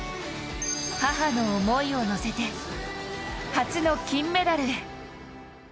母の思いを乗せて初の金メダルへ。